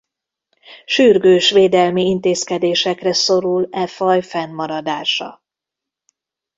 Sürgős védelmi intézkedésekre szorul e faj fennmaradása.